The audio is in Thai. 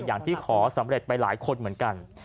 อย่างที่ขอสำเร็จไปหลายคนเหมือนกัน